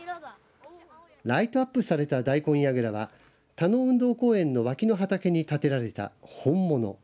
ライトアップされた大根やぐらは田野運動公園のわきの畑に建てられた本物。